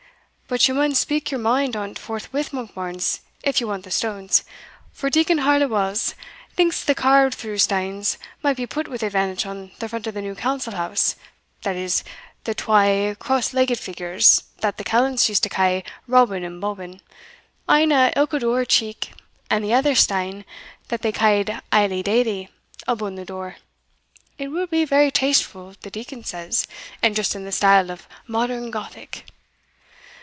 "But ye maun speak your mind on't forthwith, Monkbarns, if ye want the stones; for Deacon Harlewalls thinks the carved through stanes might be put with advantage on the front of the new council house that is, the twa cross legged figures that the callants used to ca' Robin and Bobbin, ane on ilka door cheek; and the other stane, that they ca'd Ailie Dailie, abune the door. It will be very tastefu', the Deacon says, and just in the style of modern Gothic."